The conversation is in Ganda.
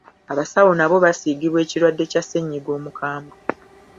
Abasawo nabo basiigibwa ekirwadde kya ssennyiga omukambwe.